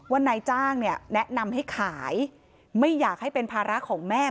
ว่านายจ้างเนี่ยแนะนำให้ขายไม่อยากให้เป็นภาระของแม่